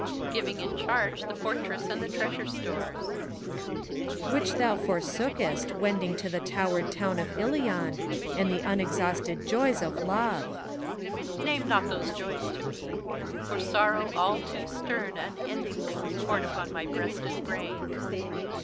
Giving in charge the fortress and the treasure stores. ACT III. 145 PHORKYAS. Which thou forsookest, wending to the towered town Of Ilion, and the unexhausted joys of love. HELENA. Name not those joys to me I for sorrow all too stern Unendingly was poured upon my breast and brain.